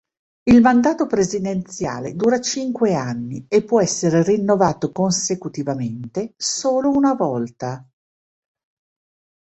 Il mandato presidenziale dura cinque anni e può essere rinnovato consecutivamente solo una volta.